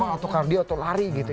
atau kardio atau lari gitu ya